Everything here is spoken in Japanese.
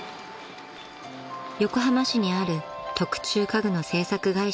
［横浜市にある特注家具の製作会社